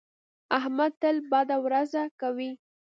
احمد تل بده ورځ کوي.